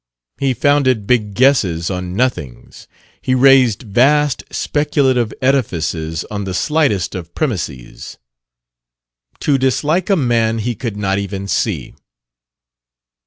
He founded big guesses on nothings; he raised vast speculative edifices on the slightest of premises. To dislike a man he could not even see!